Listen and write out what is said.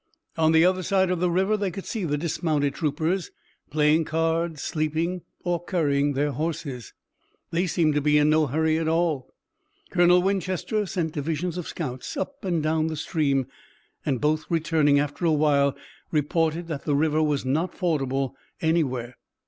On the other side of the river they could see the dismounted troopers, playing cards, sleeping or currying their horses. They seemed to be in no hurry at all. Colonel Winchester sent divisions of scouts up and down the stream, and, both returning after a while, reported that the river was not fordable anywhere.